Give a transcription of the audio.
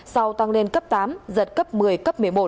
sau tăng lên cấp tám giật cấp một mươi cấp một mươi một